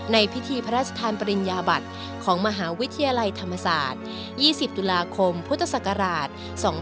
ในพิธีพระราชทานปริญญาบัติของมหาวิทยาลัยธรรมศาสตร์๒๐ตุลาคมพุทธศักราช๒๕๖